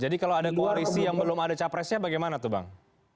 jadi kalau ada koalisi yang belum ada capresnya bagaimana tuh bang